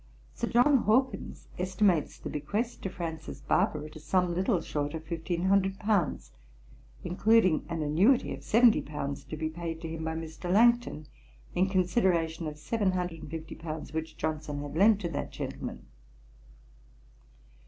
Sir John Hawkins estimates the bequest to Francis Barber at a sum little short of fifteen hundred pounds, including an annuity of seventy pounds to be paid to him by Mr. Langton, in consideration of seven hundred and fifty pounds, which Johnson had lent to that gentleman.